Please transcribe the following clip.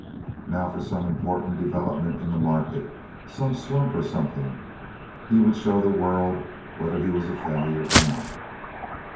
Now for some important development in the market—some slump or something. He would show the world whether he was a failure or not.